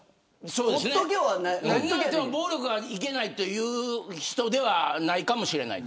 暴力はいけないという人ではないかもしれない。